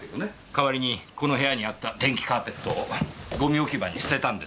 代わりにこの部屋にあった電気カーペットをゴミ置き場に捨てたんですね。